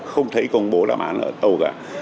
không thấy công bố đáp án ở đâu cả